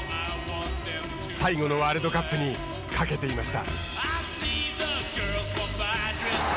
最後のワールドカップにかけていました。